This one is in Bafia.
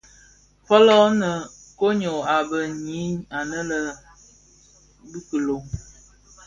Fölö min, koň йyô a bë ňwi anë bi kilon.